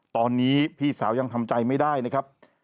ตอนนี้พี่สาวยังทำใจไม่ได้นะครับ